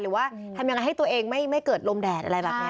หรือว่าทำยังไงให้ตัวเองไม่เกิดลมแดดอะไรแบบนี้